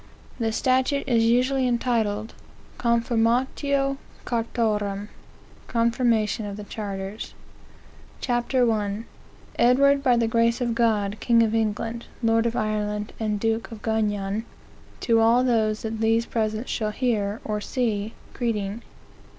The statute is usually entitled. "Confirmatio Cartarum,"(Confirmation of the Charters.) Ch. 1. "Edward, by the Grace of God, King of England, Lord of Ireland, and Duke of Guyan, To all those that these presents shall hear or see, Greeting.